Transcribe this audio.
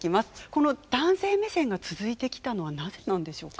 この男性目線が続いてきたのはなぜなんでしょうか？